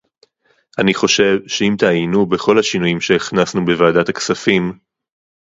אני חושב שאם תעיינו בכל השינויים שהכנסנו בוועדת הכספים